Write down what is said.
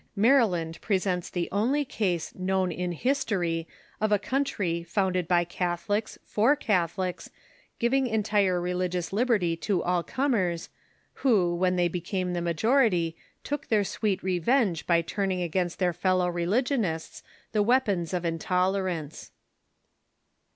Maryland presents the only case known in his tory of a country founded by Catholics for Catholics giving entire religious liberty to all comers, who, when they became the majority, took their sweet revenge by turning against their fellow religionists the weapons of intolerance.